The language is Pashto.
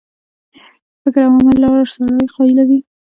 د فکر او عمل لار سړی قایلوي.